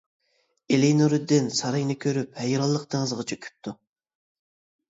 ئېلى نۇرىدىن ساراينى كۆرۈپ ھەيرانلىق دېڭىزىغا چۆكۈپتۇ.